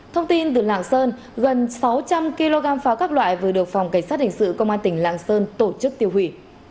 thông tin từ lạng sơn gần sáu trăm linh kg pháo các loại vừa được phòng cảnh sát hình sự công an tỉnh lạng sơn tổ chức tiêu hủy